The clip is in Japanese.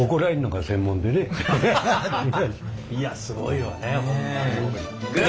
いやすごいわね。